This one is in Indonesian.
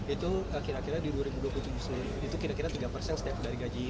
itu kira kira di dua ribu dua puluh tujuh sendiri itu kira kira tiga persen setiap dari gaji